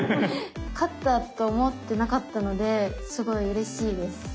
勝ったと思ってなかったのですごいうれしいです。